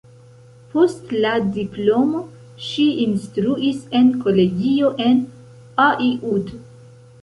Post la diplomo ŝi instruis en kolegio en Aiud.